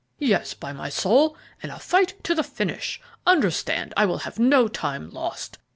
"Yes, by my soul, and a fight to the finish. Understand, I will have no time lost.